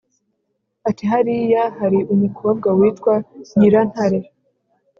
ati: hariya hari umukobwa witwa nyirantare,